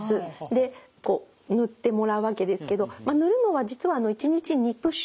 でこう塗ってもらうわけですけど塗るのは実は１日２プッシュ。